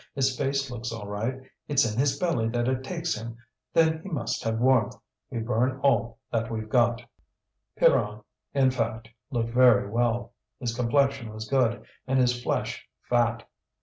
His face looks all right; it's in his belly that it takes him. Then he must have warmth. We burn all that we've got." Pierron, in fact, looked very well; his complexion was good and his flesh fat.